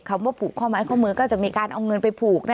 คำว่าผูกข้อไม้ข้อมือก็จะมีการเอาเงินไปผูก